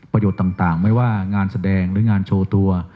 ต่างไม่ว่างานแสดงหรืองานโชว์ตัว